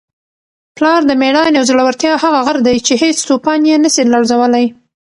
پلار د مېړانې او زړورتیا هغه غر دی چي هیڅ توپان یې نسي لړزولی.